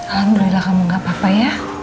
alhamdulillah kamu gak apa apa ya